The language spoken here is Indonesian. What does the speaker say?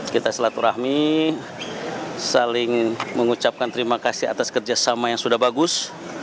kita selaturahmi saling mengucapkan terima kasih atas kerjasama yang sudah bagus